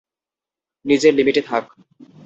নিজের লিমিটে থাক!